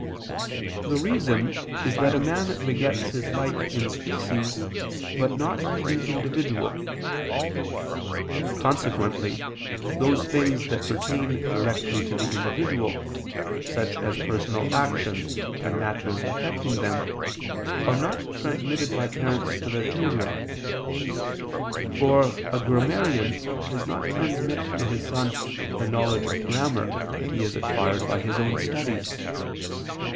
The reason is that a man begets his like in species but not in individual. Consequently those things that pertain directly to the individual, such as personal actions and matters affecting them, are not transmitted by parents to their children: for a grammarian does not transmit to his son the knowledge of grammar that he has acquired by his own studies.